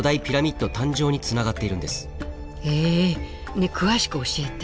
ねえ詳しく教えて。